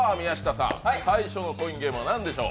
最初のコインゲームは何でしょう？